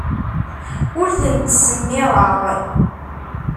Ur ten-ttsemmiṛeɣ.